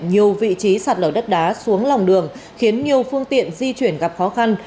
nhiều vị trí sạt lở đất đá xuống lòng đường khiến nhiều phương tiện di chuyển gặp khó khăn